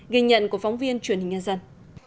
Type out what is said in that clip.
ghi nhận của phóng viên truyền hình nhân dân